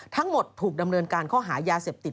ทั้งหมดถูกดำเนินการข้อหายาเสพติด